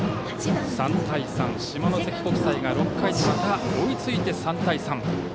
下関国際が６回にまた追いついて３対３。